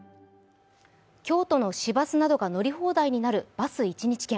京都の市バスなどが乗り放題になるバス１日券。